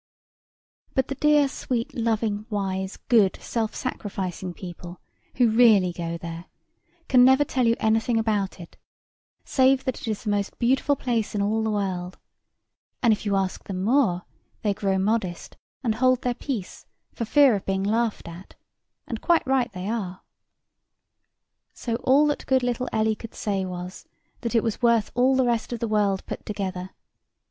But the dear, sweet, loving, wise, good, self sacrificing people, who really go there, can never tell you anything about it, save that it is the most beautiful place in all the world; and, if you ask them more, they grow modest, and hold their peace, for fear of being laughed at; and quite right they are. So all that good little Ellie could say was, that it was worth all the rest of the world put together.